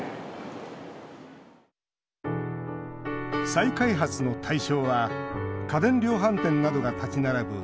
再開発の対象は家電量販店などが立ち並ぶ